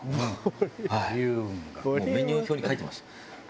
もうメニュー表に書いてます。